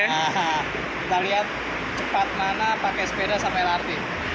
kita lihat cepat mana pakai sepeda sampai lrt